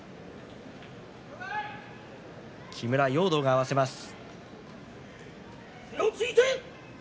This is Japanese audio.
木村容堂が合わせます。